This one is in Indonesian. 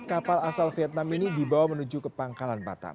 kapal asal vietnam ini dibawa menuju ke pangkalan batam